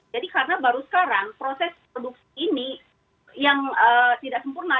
jadi karena baru sekarang proses produk ini yang tidak sempurna